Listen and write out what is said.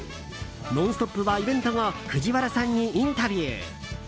「ノンストップ！」はイベント後藤原さんにインタビュー。